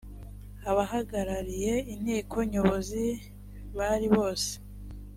abahagarariye inteko nyobozi bari bose